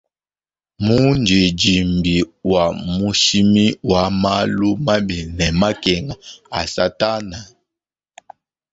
Mundidimbi wa mushimi wa malu mabi ne makenga a satana.